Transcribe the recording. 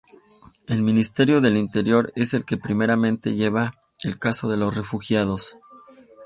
El Ministerio de Interior es el que primeramente lleva el caso de los refugiados.